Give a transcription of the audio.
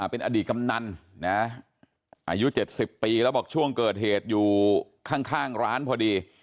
เป็นอดีตกำนันนะอายุ๗๐ปีแล้วบอกช่วงเกิดเหตุอยู่ข้างร้านพอดี